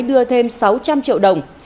đưa thêm sáu trăm linh triệu đồng